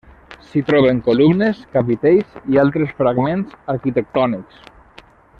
S'hi troben columnes, capitells, i altres fragments arquitectònics.